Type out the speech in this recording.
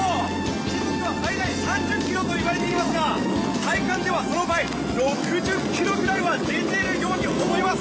時速は最大３０キロと言われていますが体感ではその場合、６０キロぐらいは出ているように思えます。